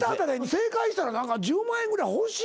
正解したら１０万円ぐらい欲しいよな。